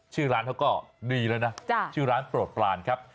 ชื่อร้านเขาก็ดีแล้วนะชื่อร้านโปรดปลานครับ